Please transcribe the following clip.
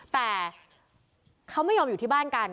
แต่เขาไม่ยอมอยู่ที่บ้านกัน